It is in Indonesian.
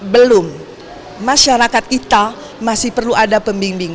belum masyarakat kita masih perlu ada pembimbing